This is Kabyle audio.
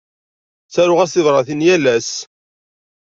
Ttaruɣ-as tibratin yal ass.